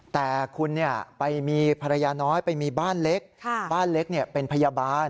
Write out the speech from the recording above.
แต่คุณไปมีภรรยาน้อยไปมีบ้านเล็กบ้านเล็กเป็นพยาบาล